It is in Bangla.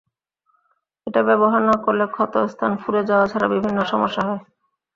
এটা ব্যবহার না করলে ক্ষতস্থান ফুলে যাওয়া ছাড়া বিভিন্ন সমস্যা হয়।